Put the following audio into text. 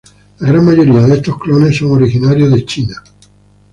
La gran mayoría de estos clones son originarios de China.